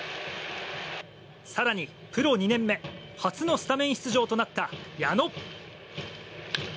更にプロ２年目初のスタメン出場となった矢野。